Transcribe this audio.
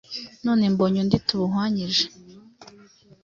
none mbonye undi tubuhwanyije